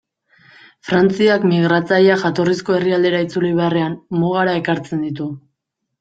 Frantziak migratzaileak jatorrizko herrialdera itzuli beharrean, mugara ekartzen ditu.